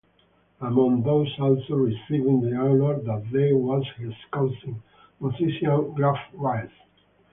Among those also receiving the honour that day was his cousin, musician Gruff Rhys.